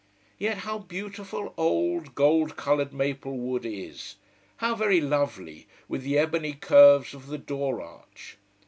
Yet how beautiful old, gold coloured maple wood is! how very lovely, with the ebony curves of the door arch!